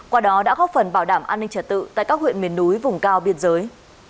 qua đó đã góp phần bảo đảm an ninh trật tự tại các huyện miền núi vùng cao biên giới